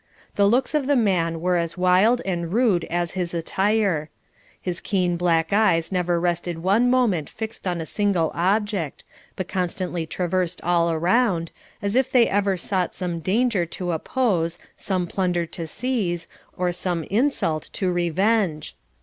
The looks of the man were as wild and rude as his attire: his keen black eyes never rested one moment fixed upon a single object, but constantly traversed all around, as if they ever sought some danger to oppose, some plunder to seize, or some insult to revenge.